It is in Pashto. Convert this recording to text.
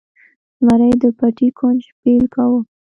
زمري د پټي کونج بیل کاوه.